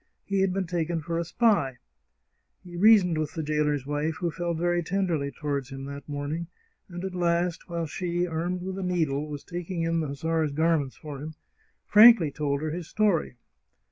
He had been taken for a spy ! He reasoned with the jailer's wife, who felt very tenderly toward him that morning, and at last, while she, armed with a needle, was taking in the hussar's garments for him, frankly told her his story.